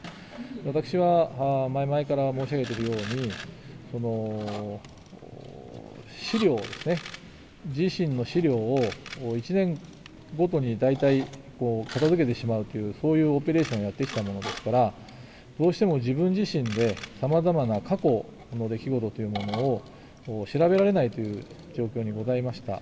私は前々から申し上げているように、資料をですね、自身の資料を１年ごとに大体、片づけてしまうという、そういうオペレーションをやってきたものですから、どうしても自分自身でさまざまな過去の出来事というものを調べられないという状況にございました。